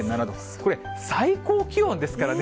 これ、最高気温ですからね。